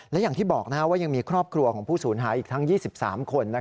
และอย่างที่บอกว่ายังมีครอบครัวของผู้สูญหายอีกทั้ง๒๓คน